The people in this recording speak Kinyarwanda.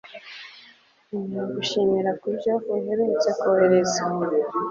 Emera gushimira kubyo uherutse kohereza